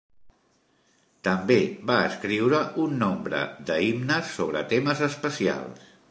També va escriure un nombre de himnes, sobre temes especials.